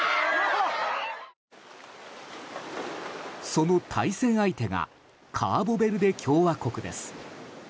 その対戦相手がカーボベルデ共和国です。